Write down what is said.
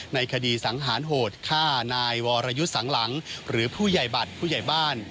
ในคดีสังหารโหดฆ่านายวรยุทธ์สังหลังหรือผู้ใหญ่บัตรผู้ใหญ่บ้าน